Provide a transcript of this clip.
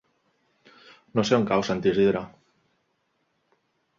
No sé on cau Sant Isidre.